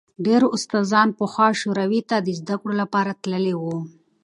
ډېر استادان پخوا شوروي ته د زدکړو لپاره تللي وو.